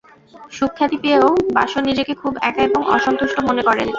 সুখ্যাতি পেয়েও বাসো নিজেকে খুব একা এবং অসন্তুষ্ট মনে করেন।